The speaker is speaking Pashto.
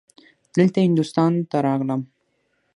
دلته هندوستان ته راغلم.